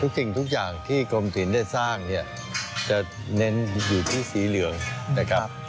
สิ่งทุกอย่างที่กรมศิลป์ได้สร้างเนี่ยจะเน้นอยู่ที่สีเหลืองนะครับ